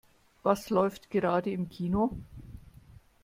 Was läuft gerade im Kino?